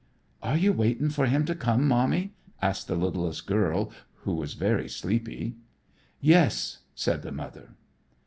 "Are you waitin' for him to come, Mommy?" asked the littlest girl, who was very sleepy. "Yes," said the mother.